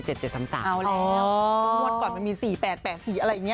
มดก่อนมันมี๔๘๘๔อะไรอย่างนี้